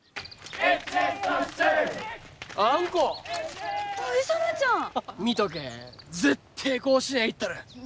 絶対甲子園行ったる！